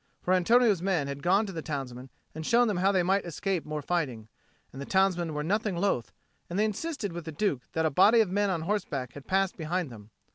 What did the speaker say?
For Antonio's men had gone to the townsmen and shewn them how they might escape more fighting; and the townsmen were nothing loth; and they insisted with the Duke that a body of men on horseback had passed behind them.